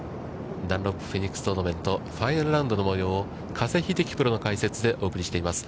ダンロップフェニックストーナメントファイナルラウンドの模様を加瀬秀樹プロの解説でお送りしています。